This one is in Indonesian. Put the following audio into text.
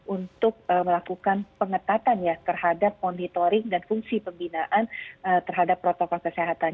untuk melakukan pengetatan ya terhadap monitoring dan fungsi pembinaan terhadap protokol kesehatan